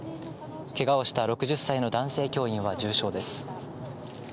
けがをした６０歳の男性教員は重傷です。